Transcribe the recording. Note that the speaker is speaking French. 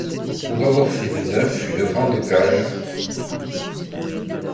Pour avoir fait de neuf une grande cage…